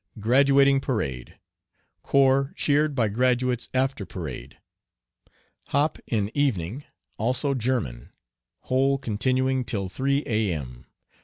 Graduating parade. Corps cheered by graduates after parade. Hop in evening; also German; whole continuing till 3 A.M.